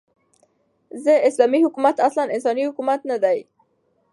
ز : اسلامې حكومت اصلاً انساني حكومت نه دى